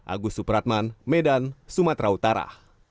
agus supratman medan sumatera utara